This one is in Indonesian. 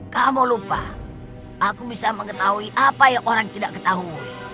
kamu lupa aku bisa mengetahui apa yang orang tidak ketahui